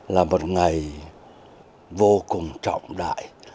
là một ngày vô cùng trọng đại